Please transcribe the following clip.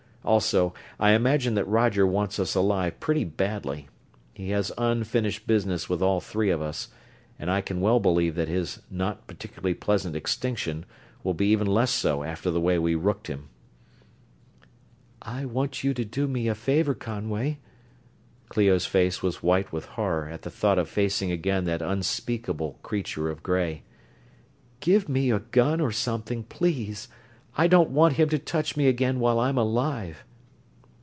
Also, I imagine that Roger wants us alive pretty badly. He has unfinished business with all three of us, and I can well believe that his 'not particularly pleasant extinction' will be even less so after the way we rooked him." "I want you to do me a favor, Conway." Clio's face was white with horror at the thought of facing again that unspeakable creature of gray. "Give me a gun or something, please. I don't want him to touch me again while I'm alive."